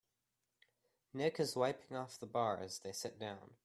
Nick is wiping off the bar as they sit down.